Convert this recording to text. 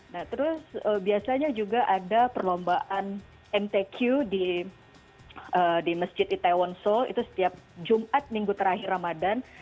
nah terus biasanya juga ada perlombaan mtq di masjid itaewon seoul itu setiap jumat minggu terakhir ramadan